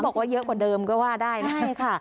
บอกว่าเยอะกว่าเดิมก็ว่าได้นะใช่ค่ะ